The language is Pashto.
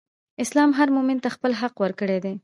اسلام هر مؤمن ته خپل حق ورکړی دئ.